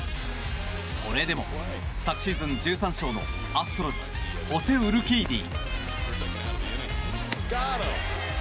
それでも、昨シーズン１３勝のアストロズホセ・ウルキーディ。